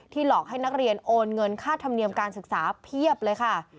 หลอกให้นักเรียนโอนเงินค่าธรรมเนียมการศึกษาเพียบเลยค่ะ